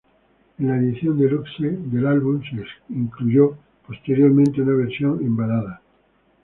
En la edición deluxe del álbum se incluyó posteriormente una versión en balada.